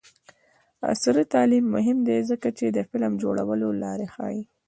عصري تعلیم مهم دی ځکه چې د فلم جوړولو لارې ښيي.